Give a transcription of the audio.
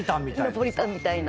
ナポリタンみたいな。